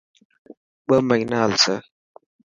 ٻه مهنا هلسي.